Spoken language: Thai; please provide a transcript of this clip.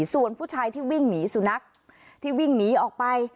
ส่วนผู้ชายที่วิ่งหนีสุนัขที่วิ่งหนีออกไป